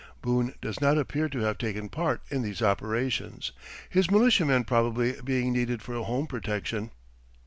Boone does not appear to have taken part in these operations, his militiamen probably being needed for home protection.